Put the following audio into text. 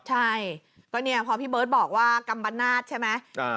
ใช่ก็เนี่ยพอพี่เบิร์ตบอกว่ากัมปนาศใช่ไหม